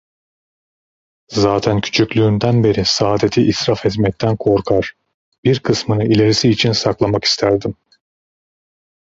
Zaten küçüklüğümden beri saadeti israf etmekten korkar, bir kısmını ilerisi için saklamak isterdim.